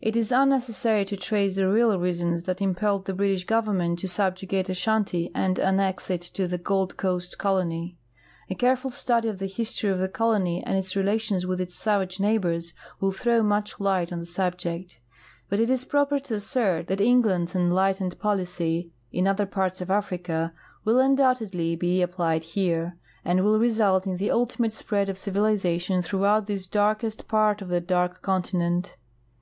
It is unnecessary to trace tlie real reasons that imi)elle(l tlie British government to subjugate Ashanti and annex it to the Gold Coast colony. A careful stud \' of the history of the colony and its relations with its savage neighbors will throw much light on tlie subject ; but it is proper to assert that England's enlight ened policy in otlier parts of Africa will undoubtedly be ap plied here and will result in the ultimate spread of civilization throughout this darkest part of the dark continent.